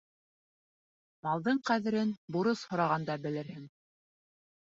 Малдың ҡәҙерен бурыс һорағанда белерһең.